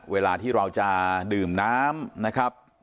เวลาที่เราจะดื่มน้ำนะครับ